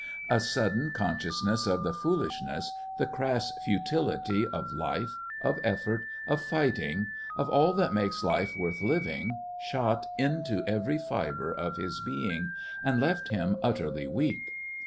A sudden consciousness of the foolishness, the crass futility, of life, of effort, of fighting of all that makes life worth living, shot into every fibre of his being, and left him utterly weak.